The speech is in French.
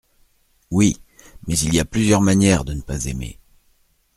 Oui… mais il y a plusieurs manières de ne pas aimer.